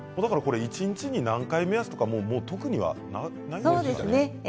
一日に何回目安とか特にないですよね？